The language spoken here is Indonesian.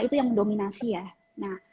itu yang mendominasi ya